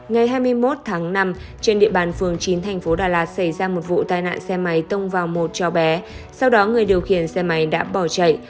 ngày hai mươi một tháng năm trên địa bàn phường chín thành phố đà lạt xảy ra một vụ tai nạn xe máy tông vào một cháu bé sau đó người điều khiển xe máy đã bỏ chạy